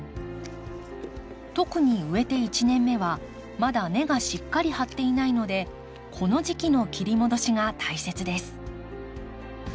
特に植えて１年目はまだ根がしっかり張っていないのでこの時期の切り戻しが大切です。